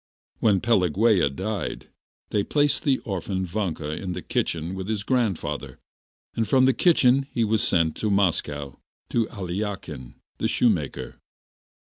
When Pelagueya died, they placed the orphan Vanka in the kitchen with his grandfather, and from the kitchen he was sent to Moscow to Aliakhin, the shoemaker.